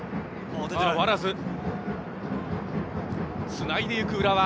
つないでいく浦和。